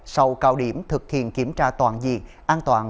sau cao điểm thực hiện kiểm tra toàn diện an toàn